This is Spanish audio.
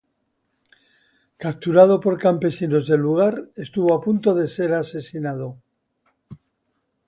Capturado por campesinos del lugar, estuvo a punto de ser asesinado.